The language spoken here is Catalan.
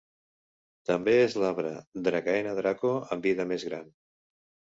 També és l'arbre "Dracaena draco" amb vida més gran.